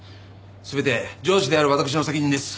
全て上司である私の責任です。